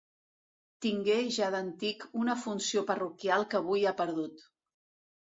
Tingué ja d'antic una funció parroquial que avui ha perdut.